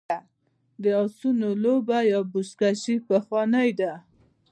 د اسونو لوبه یا بزکشي پخوانۍ ده